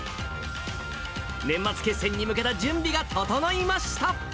年末決戦に向けた準備が整いました。